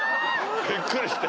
びっくりして。